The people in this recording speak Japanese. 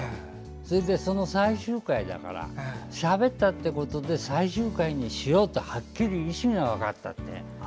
それで、最終回だからしゃべったってことで最終回にしようってはっきり意思が分かったって。